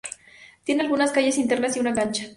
Tiene algunas calles internas y una cancha.